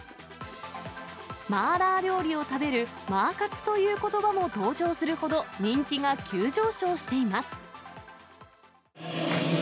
麻辣料理を食べるマー活ということばも登場するほど、人気が急上昇しています。